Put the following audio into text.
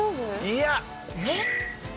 いや！えっ！？